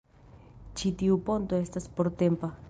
Ĉi tiu ponto estas portempa